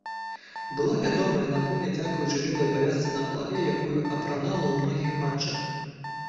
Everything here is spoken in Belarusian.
Была вядомая на поле дзякуючы белай павязцы на галаве, якую апранала ў многіх матчах.